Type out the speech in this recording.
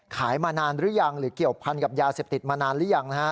มานานหรือยังหรือเกี่ยวพันกับยาเสพติดมานานหรือยัง